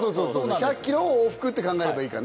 １００ｋｍを往復って考えればいいかな。